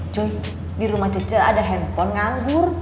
cuy di rumah cece ada handphone nganggur